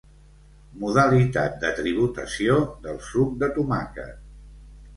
Modalitat de tributació del suc de tomàquet.